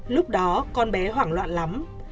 lúc đó con bé hoảng loạn lắm